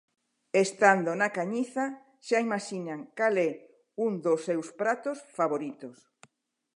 Estando na Cañiza, xa imaxinan cal é un dos seus pratos favoritos.